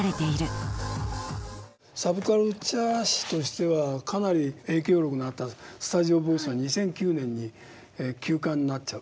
サブカルチャー誌としてはかなり影響力のあった「ＳＴＵＤＩＯＶＯＩＣＥ」は２００９年に休刊になっちゃった。